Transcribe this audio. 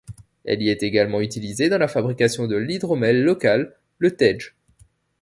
Elle y est également utilisée dans la fabrication de l'hydromel local, le t'edj.